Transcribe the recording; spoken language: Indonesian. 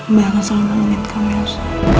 mbak akan selalu menungginkanmu yos